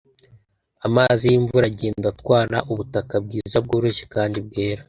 amazi y’imvura agenda atwara ubutaka bwiza bworoshye kandi bwera